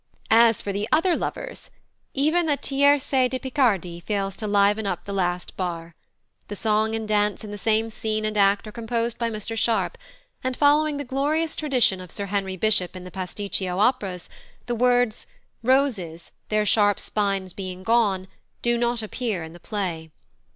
As for the other lovers ! Even the tierce de Picardie fails to liven up the last bar. The song and dance in the same scene and act are composed by Mr Sharp, and, following the glorious tradition of Sir Henry Bishop in the pasticcio operas, the words "Roses, their sharp spines being gone" do not appear in the play.